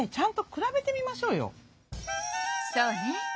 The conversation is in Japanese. そうね。